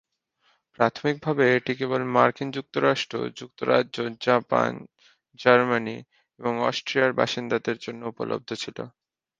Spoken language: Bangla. প্রাথমিকভাবে এটি কেবল মার্কিন যুক্তরাষ্ট্র, যুক্তরাজ্য, জাপান, জার্মানি এবং অস্ট্রিয়ার বাসিন্দাদের জন্য উপলব্ধ ছিল।